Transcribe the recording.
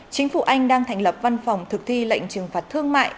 chính phủ anh đang thành lập văn phòng thực thi lệnh trừng phạt thương mại